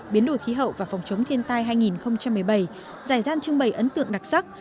biến đổi khí hậu và phòng chống thiên tai hai nghìn một mươi bảy giải gian trưng bày ấn tượng đặc sắc